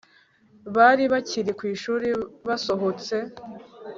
bari bakiri kwishuri basohotse